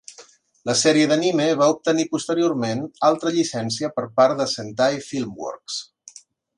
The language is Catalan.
La sèrie d'anime va obtenir posteriorment altra llicència per part de Sentai Filmworks.